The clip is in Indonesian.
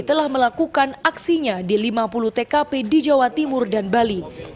telah melakukan aksinya di lima puluh tkp di jawa timur dan bali